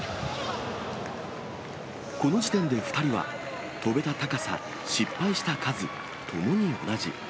この時点で２人は、跳べた高さ、失敗した数、ともに同じ。